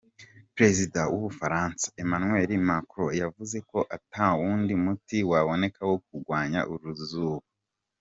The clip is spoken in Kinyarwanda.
Prezida w'Ubufaransa, Emmanuel Macron, yavuze ko ata wundi muti woboneka wo kugwanya uruzuba.